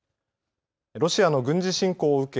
ロシアの軍事侵攻を受け